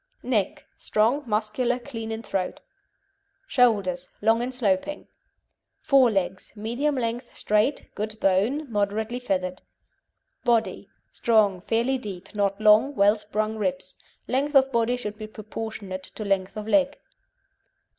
NECK Strong, muscular, clean in throat. SHOULDERS Long and sloping. FORE LEGS Medium length, straight, good bone, moderately feathered. BODY Strong, fairly deep, not long, well sprung ribs. Length of body should be proportionate to length of leg.